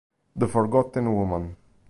The Forgotten Woman